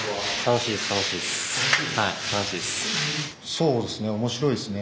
そうですね面白いですね。